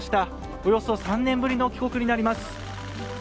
およそ３年ぶりの帰国になります。